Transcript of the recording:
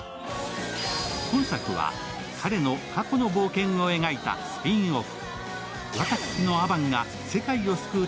今作は、彼の過去の冒険を描いたスピンオフ。